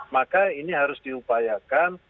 maka ini harus diupayakan